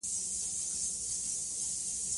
افغانستان په پکتیکا باندې تکیه لري.